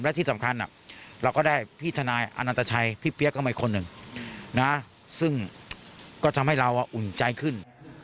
และที่สำคัญเราก็ได้พี่ทนายอนันตชัยพี่เปี๊ยกเข้ามาอีกคนหนึ่งนะซึ่งก็ทำให้เราอุ่นใจขึ้น